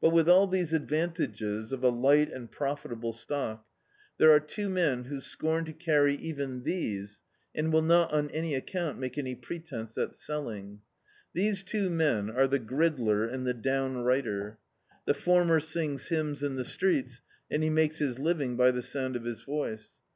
But with all these advantages of a light and profit able stock, there are two men who scorn to carry even these and will not on any account make any pretence at selling. These two men are the gridler and the downrighter. The former sings hymns in the streets, and he makes his living by the sound of his voice.